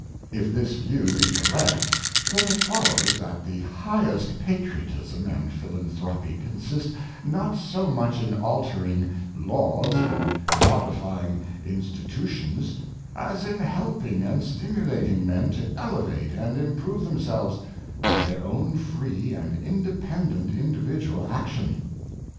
If this view be cor rect, then it follows that the highest patriotism and phil anthropy consist, not so much in altering laws and mod ifying institutions, as in helping and stimulating men to elevate and improve themselves by their own free and independent individual action.